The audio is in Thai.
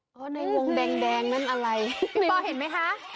ในวงแดงแดงนั้นอะไรพี่ปอเห็นไหมคะ